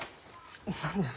何です？